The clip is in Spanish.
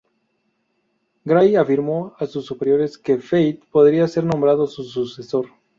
Gray afirmó a sus superiores que Felt podría ser nombrado su sucesor.